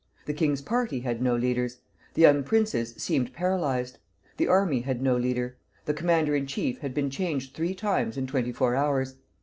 The king's party had no leaders; the young princes seemed paralyzed. The army had no leader; the commander in chief had been changed three times in twenty four hours.